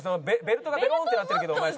ベルトがべろーんってなってるけどお前